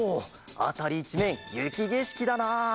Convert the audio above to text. あたりいちめんゆきげしきだな。